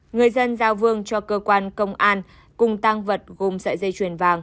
người dân giao vương cho cơ quan công an cùng tăng vật gồm sợi dây chuyền vàng